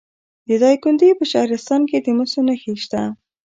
د دایکنډي په شهرستان کې د مسو نښې شته.